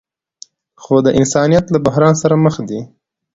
خو د انسانیت له بحران سره مخ دي.